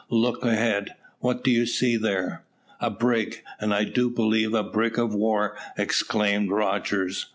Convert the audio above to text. look ahead; what do you see there?" "A brig, and I do believe a brig of war," exclaimed Rogers.